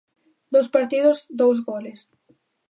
Dous partidos, dous goles.